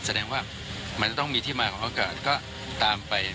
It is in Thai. แสดงว่ามันจะต้องมีที่มาของอากาศก็ตามไป